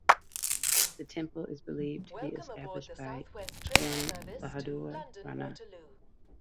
The temple is believed to be established by Jung Bahadur Rana.